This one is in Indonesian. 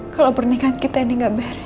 kalau pernikahan kita ini gak beres